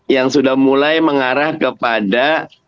yang sudah mulai mengarah kepada